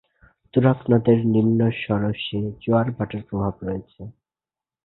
তুরাগ নদের নিম্নম্বরশে জোয়ার-ভাটার প্রভাব রয়েছে।